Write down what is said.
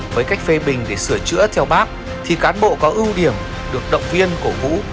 với cách phê bình để sửa chữa theo bác thì cán bộ có ưu điểm được động viên cổ vũ